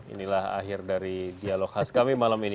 inilah akhir dari dialog khas kami malam ini